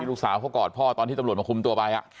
ลูกสาวเขากอดพ่อตอนที่ตำรวจมาคุมตัวไป